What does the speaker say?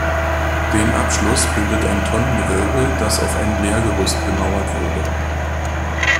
Den Abschluss bildet ein Tonnengewölbe, das auf ein Lehrgerüst gemauert wurde.